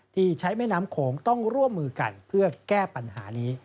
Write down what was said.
ที่ใช้แม่น้ำโขงต้องร่วมมือกันเพื่อแก้ปัญหานี้